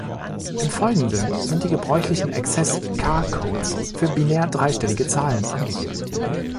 Im Folgenden sind die gebräuchlichen Exzess-k-Codes für binär dreistellige Zahlen angegeben.